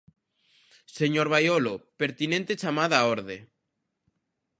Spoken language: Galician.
Señor Baiolo, pertinente chamada á orde.